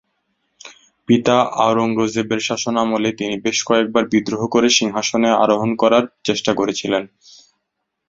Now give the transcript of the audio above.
পিতা আওরঙ্গজেবের শাসনামলে তিনি বেশ কয়েকবার বিদ্রোহ করে সিংহাসনে আরোহণ করার চেষ্টা করেছিলেন।